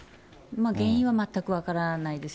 原因は全く分からないですよ。